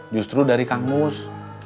justru dari kang mus